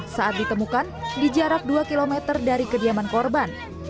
saat ditemukan di jarak dua km dari kediaman korban